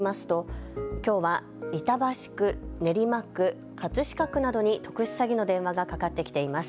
警視庁が公開しているこちらの地図によりますときょうは板橋区、練馬区、葛飾区などに特殊詐欺の電話がかかってきています。